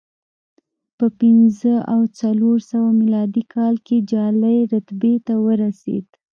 په پنځه او څلور سوه میلادي کال کې جالۍ رتبې ته ورسېد